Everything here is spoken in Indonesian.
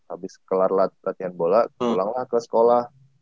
habis kelar latihan bola pulanglah ke sekolah